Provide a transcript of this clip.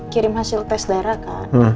kirim hasil tes darah kan